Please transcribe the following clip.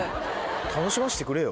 楽しませてくれよ。